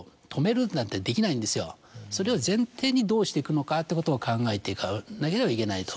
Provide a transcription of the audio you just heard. それを前提にどうしていくのかってことを考えていかなければいけないと。